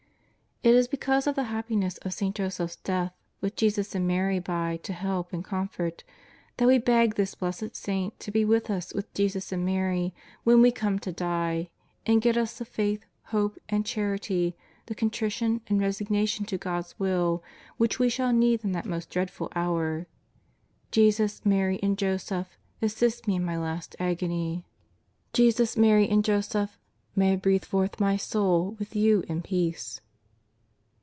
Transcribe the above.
It is because of the happiness of St. Joseph's death, with Jesus and Mary by to help and comfort, that we beg this blessed Saint to be with us with Jesus and Mary when we come to die, and get us the faith, hope, and charity, the contrition, and resignation to God's Will which we shall need in that most dreadful hour: Jesus, Mary, and Joseph, assist me in my last agony. 102 JESUS OF NAZARETH. Jesus, Marj, and Joseph, may I breathe forth my soul with you in peace.